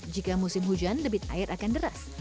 jika musim hujan debit air akan deras